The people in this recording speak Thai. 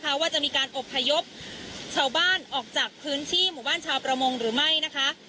เพราะว่าจะมีการอบพยพชาวบ้านออกจากพื้นที่หมู่บ้านชาวประมงหรือไม่นะคะ